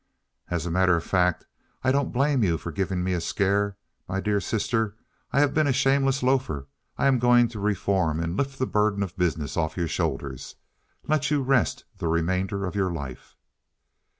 "As a matter of fact, I don't blame you for giving me a scare, my dear sister. I have been a shameless loafer. I'm going to reform and lift the burden of business off your shoulders let you rest the remainder of your life."